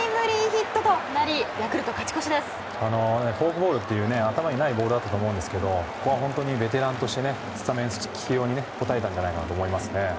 フォークボールという頭にないボールだったと思うんですけどここはベテランとしてスタメン起用に応えたんじゃないかなと思います。